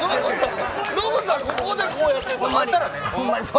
ノブさん、ここでこうやってた。